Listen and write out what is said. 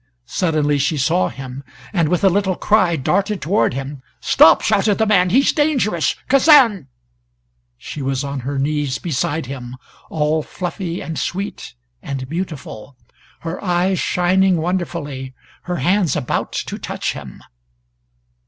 Suddenly she saw him, and with a little cry darted toward him. "Stop!" shouted the man. "He's dangerous! Kazan " She was on her knees beside him, all fluffy and sweet and beautiful, her eyes shining wonderfully, her hands about to touch him.